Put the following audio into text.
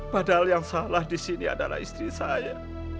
padahal yang salah di sini adalah istri saya